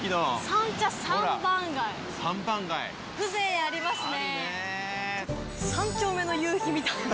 風情ありますね。